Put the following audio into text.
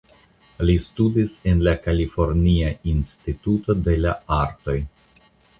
Li studis en la Kalifornia Instituto de la Artoj.